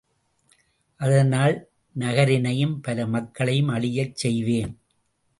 அதனால் நகரினையும் பல மக்களையும் அழியச் செய்வேன்.